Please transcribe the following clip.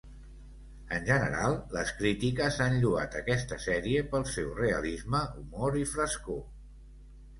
En general, les crítiques han lloat aquesta sèrie pel seu realisme, humor i frescor.